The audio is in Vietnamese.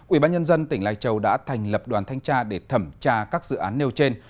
ủy ban nhân dân tỉnh lai châu đã thành lập đoàn thanh tra để thẩm tra các dự án nêu trên